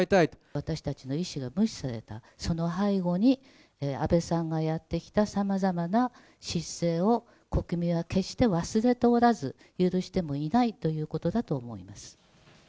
私たちの意思が無視された、その背後に、安倍さんがやってきた、さまざまな失政を国民は決して忘れておらず、許してもいないということだと思います。